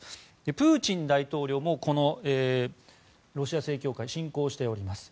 プーチン大統領もこのロシア正教会を信仰しております。